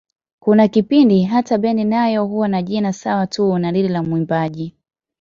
Kuna kipindi hata bendi nayo huwa na jina sawa tu na lile la mwimbaji.